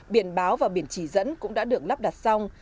biển báo và biển chỉ dẫn cũng đã được lắp đặt xong